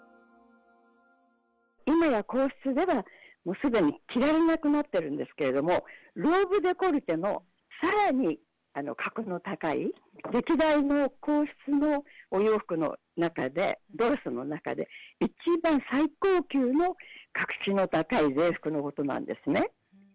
今や皇室ではすでに着られなくなっているんですけども、ローブデコルテのさらに格の高い、歴代の皇室のお洋服の中で、ドレスの中で、一番、最高級の格式の高い礼服のことなんですね。